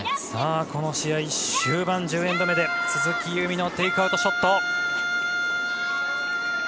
さあ、この試合終盤１０エンド目で鈴木夕湖のテイクアウトショット。